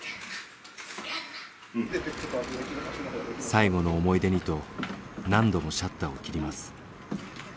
最後の思い出にと何度もシャッターを切ります。